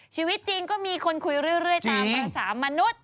ชีวิตจริงก็มีคนคุยเรื่อยตามภาษามนุษย์